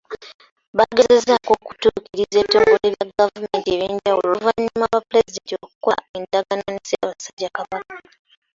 Bagezezzaako okutuukirira ebitongole bya gavumenti ebyenjawulo oluvannyuma lwa Pulezidenti okukola endagaano ne Ssaabasajja Kabaka.